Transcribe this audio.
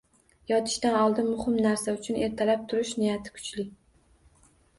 Yotishdan oldin muhim narsa uchun ertalab turish niyati kuchli